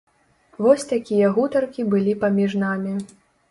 Вось такія гутаркі былі паміж намі.